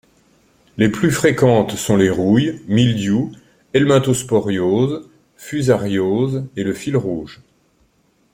Les plus fréquentes sont les rouilles, mildious, helminthosporioses, fusarioses et le fil rouge.